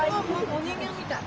お人形みたい。